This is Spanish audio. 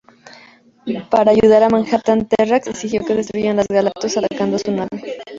Para ayudar a Manhattan, Terrax exigió que destruyan a Galactus, atacando su nave.